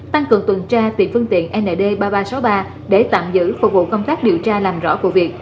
tăng cường tuần tra tìm phương tiện nd ba nghìn ba trăm sáu mươi ba để tạm giữ phục vụ công tác điều tra làm rõ vụ việc